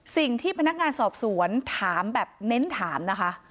สิ่งที่พนักงานสอบสวนถามแบบเน้นถามนะคะ